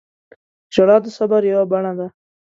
• ژړا د صبر یوه بڼه ده.